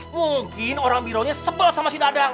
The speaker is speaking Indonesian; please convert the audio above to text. mungkin orang biro nya sepel sama si dadang